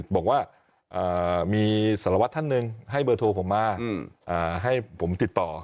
บอกว่ามีสารวัตรท่านหนึ่งให้เบอร์โทรผมมาให้ผมติดต่อ